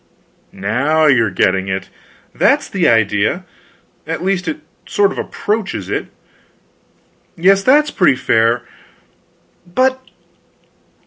Now you are getting it; that is the idea at least, it sort of approaches it.... Yes, that is pretty fair. _But!